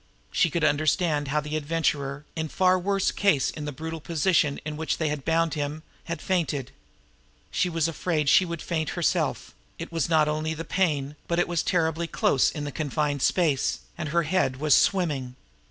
She could understand how the Adventurer, in far worse case in the brutal position in which they had bound him, had fainted. She was afraid she would faint herself it was not only the pain, but it was terribly close in the confined space, and her head was swimming.